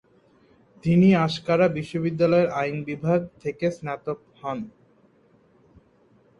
তিনি আঙ্কারা বিশ্ববিদ্যালয়ের আইন বিভাগ থেকে স্নাতক হন।